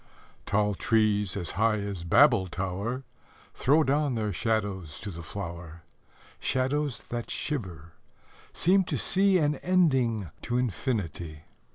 Tall trees, as high as Babel tower, Throw down their shadows to the flower Shadows that shiver seem to see An ending to infinity.